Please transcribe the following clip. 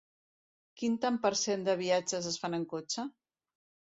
Quin tant per cent de viatges es fan en cotxe?